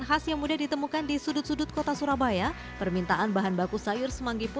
khas yang mudah ditemukan di sudut sudut kota surabaya permintaan bahan baku sayur semanggi